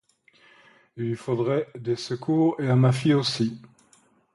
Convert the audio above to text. Il lui faudrait des secours, et à ma fille aussi!